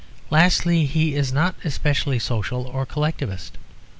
Lastly, he is not especially social or collectivist.